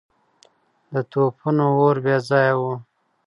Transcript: د توپونو اور بې ځایه و.